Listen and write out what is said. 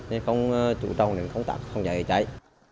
nên không chủ trọng đến công tác phòng cháy